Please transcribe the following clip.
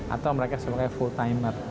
atau mereka sebagai full timer